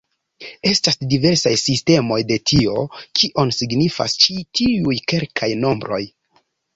Estas diversaj sistemoj de tio, kion signifas ĉi tiuj kelkaj nombroj.